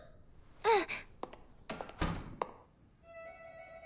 うん！